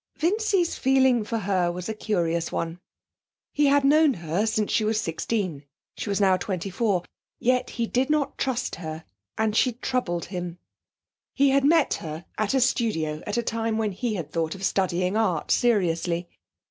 Vincy's feeling for her was a curious one. He had known her since she was sixteen (she was now twenty four). Yet he did not trust her, and she troubled him. He had met her at a studio at a time when he had thought of studying art seriously.